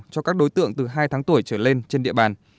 cho các đối tượng từ hai tháng tuổi trở lên trên địa bàn